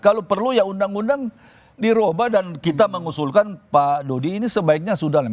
kalau perlu ya undang undang dirubah dan kita mengusulkan pak dodi ini sebaiknya sudah